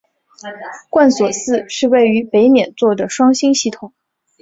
贯索四是位于北冕座的双星系统。